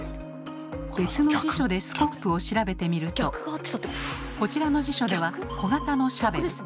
別の辞書で「スコップ」を調べてみるとこちらの辞書では「小型のシャベル」。